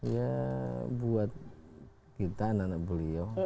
ya buat kita anak anak beliau